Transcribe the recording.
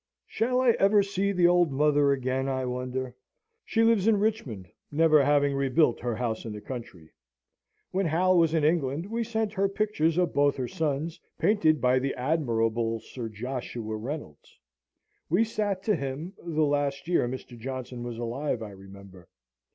Shall I ever see the old mother again, I wonder? She lives in Richmond, never having rebuilt her house in the country. When Hal was in England, we sent her pictures of both her sons, painted by the admirable Sir Joshua Reynolds. We sate to him, the last year Mr. Johnson was alive, I remember.